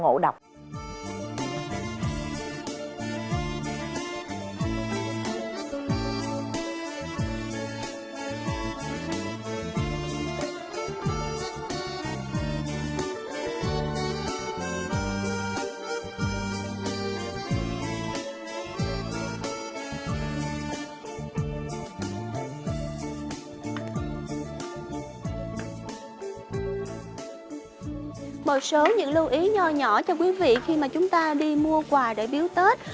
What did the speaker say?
một số những lưu ý nhỏ nhỏ cho quý vị khi mà chúng ta đi mua quà để biếu tết